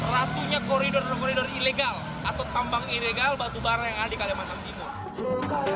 ratunya koridor koridor ilegal atau tambang ilegal batubara yang ada di kalimantan timur